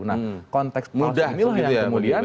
nah konteks palsu ini lah yang kemudian